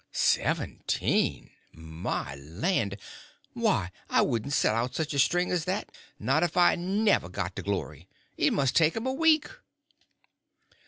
"Seventeen! My land! Why, I wouldn't set out such a string as that, not if I never got to glory. It must take 'em a week."